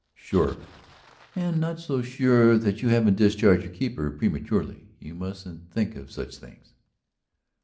"Sure of it. And not so sure that you haven't discharged your keeper prematurely. You mustn't think of such things."